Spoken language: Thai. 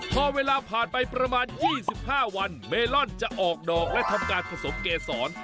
พอเวลาผ่านไปประมาณ๒๕วันเมลอนจะออกดอกและทำการผสมเกษร